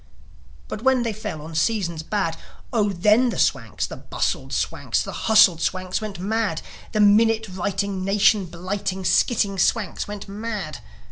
But when they fell on seasons bad, Oh, then the Swanks, the bustled Swanks, The hustled Swanks went mad The minute writing, nation blighting, Skiting Swanks went mad.